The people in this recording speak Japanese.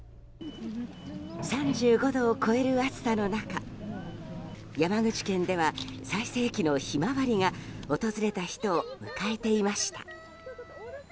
３５度を超える暑さの中山口県では最盛期のヒマワリが訪れた人を迎えていました。